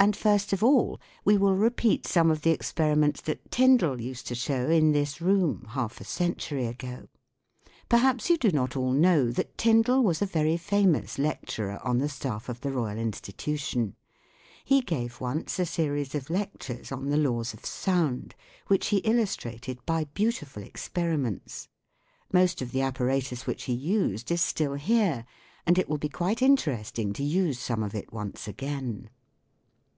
And first of all we will repeat some of the experiments that Tyndall used to show in this room half a century ago. Perhaps you do not all know that Tyndall was a very famous lecturer on the staff of the Royal Institu tion. ^ He gave once a series of lectures on the laws of sound, which he illustrated by beautiful experi ments. Most of the apparatus which he used is still here, and it will be quite interesting to use some of it once again.